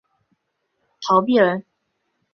陶弼人。